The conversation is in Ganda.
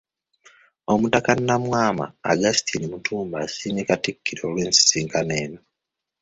Omutaka Nnamwama Augustine Mutumba asiimye Katikkiro olw'ensisinkano eno